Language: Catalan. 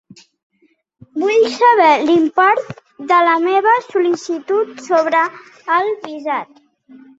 Vull saber l'import de la meva sol·licitut sobre el visat.